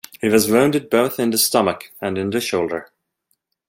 He was wounded in both the stomach and in the shoulder.